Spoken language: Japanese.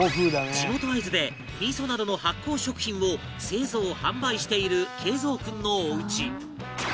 地元会津で味噌などの発酵食品を製造販売している敬蔵君のおうち